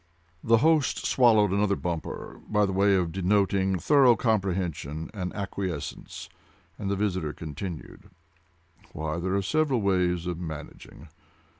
The host swallowed another bumper, by way of denoting thorough comprehension and acquiescence, and the visitor continued. "Why, there are several ways of managing.